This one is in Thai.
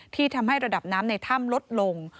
ทำให้ระดับน้ำในถ้ำลดลง